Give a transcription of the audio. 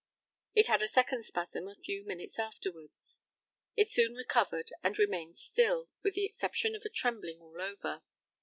It had a second spasm a few minutes afterwards. It soon recovered and remained still, with the exception of a trembling all over.